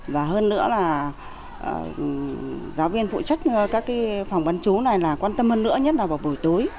và hơn nữa là giáo viên phụ trách các phòng bán chú này là quan tâm hơn nữa nhất là vào buổi tối